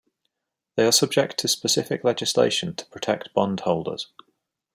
They are subject to specific legislation to protect bond holders.